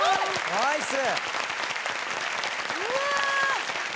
ナイス！